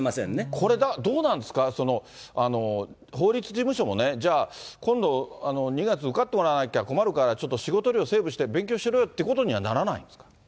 これ、だからどうなんですか、法律事務所もね、じゃあ、今度２月受かってもらわなきゃ困るから、ちょっと仕事量セーブして、勉強しろよということにはならないんですか？